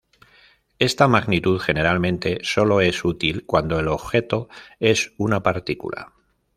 Esta magnitud generalmente solo es útil cuando el objeto es una partícula.